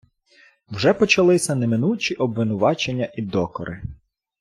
Вже почалися неминучі обвинувачення і докори.